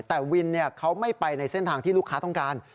แต่วินเขาไม่ไปในเส้นทางที่ลูกค้าต้องการ